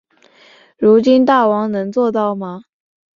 如今大王能做到吗？